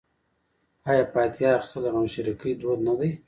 آیا فاتحه اخیستل د غمشریکۍ دود نه دی؟